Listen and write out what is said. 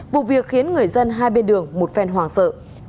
vụ việc khiến người dân hai bên đường một phèn hoàng sợ